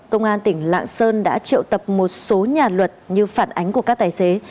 công an tỉnh lạng sơn đã triệu tập một số nhà luật như phản ánh của các tài xế